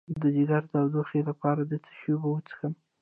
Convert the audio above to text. د ځیګر د تودوخې لپاره د څه شي اوبه وڅښم؟